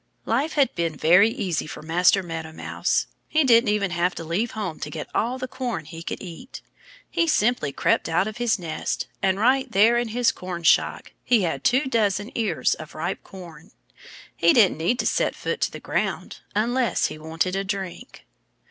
Life had become very easy for Master Meadow Mouse. He didn't even have to leave home to get all the corn he could eat. He simply crept out of his nest, and right there in his cornshock he had two dozen ears of ripe corn. He didn't need to set foot to the ground, unless he wanted a drink.